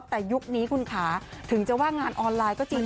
แต่ยุคนี้คุณขาถึงจะว่างานออนไลน์ก็จริง